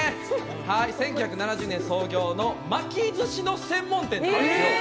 １９７２年創業の巻き寿司の専門店なんです。